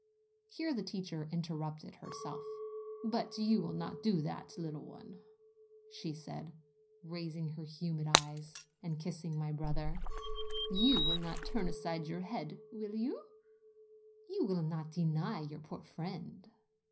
Here the teacher interrupted her self. "But you will not do so, little one?" she said, raising her humid eyes, and kissing my brother. "You will not turn aside your head, will you? You will not deny your poor friend?''